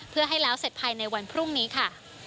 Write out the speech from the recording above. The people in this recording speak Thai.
เพื่อให้แล้วเสร็จภายในวันพรุ่งนี้ค่ะ